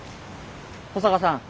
保坂さん